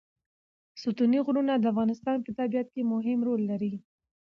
ستوني غرونه د افغانستان په طبیعت کې مهم رول لري.